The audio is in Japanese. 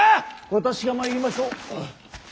私が参りましょう。